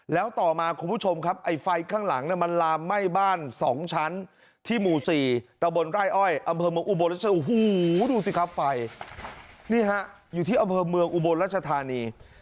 แล้วต่อมาคุณผู้ชมครับไฟข้างหลังมันลามไหม้บ้านสองชั้นที่หมู่๔ตะบลไล่อ้อยอำเภอเมืองอุบลรัชธานี